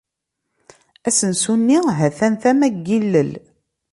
Asensu-nni ha-t-an tama n yilel.